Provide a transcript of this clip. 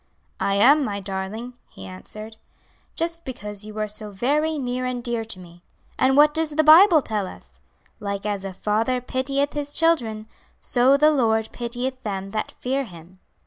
'I am, my darling,' he answered, 'just because you are so very near and dear to me; and what does the Bible tell us? "Like as a father pitieth his children, so the Lord pitieth them that fear Him!"'"